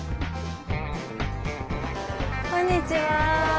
こんにちは。